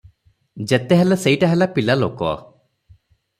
ଯେତେ ହେଲେ ସେଇଟା ହେଲା ପିଲାଲୋକ ।